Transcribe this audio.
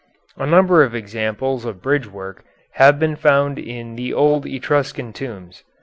A number of examples of bridgework have been found in the old Etruscan tombs.